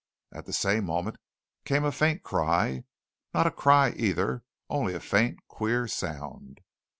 At the same moment came a faint cry not a cry, either only a faint, queer sound.